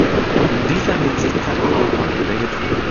Und in dieser Hinsicht kann Europa eine Menge tun.